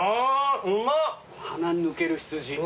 鼻に抜ける羊。